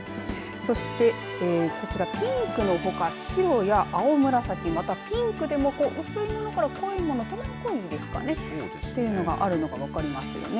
そしてこちらピンクのほか、白や青紫ピンクでも薄いものから濃いものというのがあるのが分かりますね。